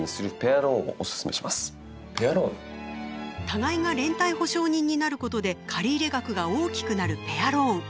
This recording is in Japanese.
互いが連帯保証人になることで借入額が大きくなるペアローン。